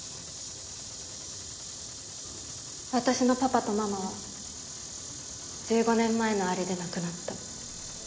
私のパパとママは１５年前のあれで亡くなった。